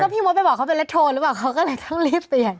ก็พี่หมดไปบอกเขาเป็นเรดโทลหรือเปล่าก็เลยเรียกตั้งรีบตั้ง